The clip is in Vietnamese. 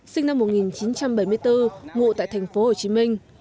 sinh năm một nghìn chín trăm bảy mươi bốn ngụ tại tp hcm